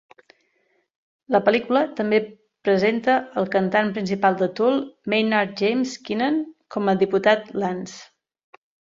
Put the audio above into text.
La pel·lícula també presenta el cantant principal de Tool, Maynard James Keenan, com al diputat Lance.